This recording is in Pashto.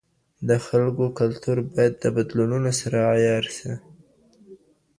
د خلګو کلتور باید د بدلونونو سره عیار سي.